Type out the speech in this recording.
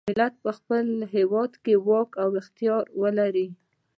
ملت په خپل هیواد کې واک او اختیار ولري.